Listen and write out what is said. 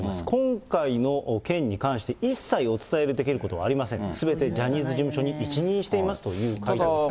今回の件に関して、一切お伝えできることはありませんと、すべてジャニーズ事務所に一任していますという回答でした。